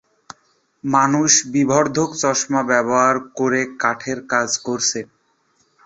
মানুষ বিবর্ধক চশমা ব্যবহার করে কাঠের কাজ করছে।